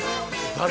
誰？